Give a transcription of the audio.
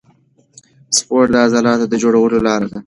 سپورت د عضلاتو جوړولو لاره ده.